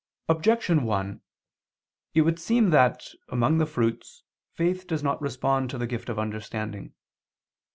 Objection 1: It would seem that, among the fruits, faith does not respond to the gift of understanding.